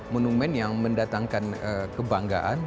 monumen yang mendatangkan kebanggaan